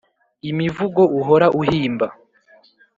imivugo uhora uhimba